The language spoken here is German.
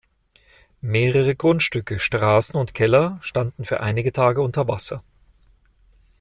Mehrere Grundstücke, Straßen und Keller standen für einige Tage unter Wasser.